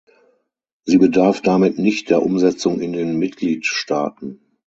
Sie bedarf damit nicht der Umsetzung in den Mitgliedstaaten.